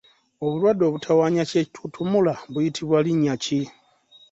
Obulwadde obutawaanya kyetutumula buyitibwa linnya ki?